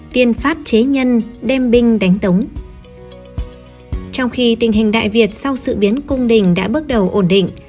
trong khi tình hình đại việt sau sự biến cung đình đã bắt đầu ổn định